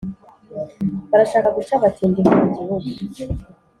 barashaka guca abatindi bo mu gihugu